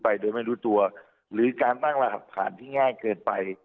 โดยไม่รู้ตัวหรือการตั้งรหัสผ่านที่ง่ายเกินไป